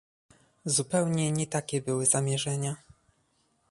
Zupełnie nie takie były zamierzenia